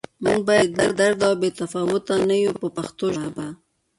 موږ باید بې درده او بې تفاوته نه یو په پښتو ژبه.